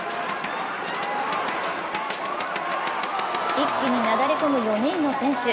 一気になだれ込む４人の選手。